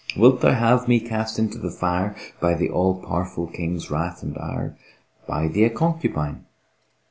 Wilt thou have me cast into the fire by the All powerful King's wrath and ire? Buy thee a concubine."